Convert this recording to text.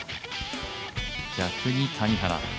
逆に谷原。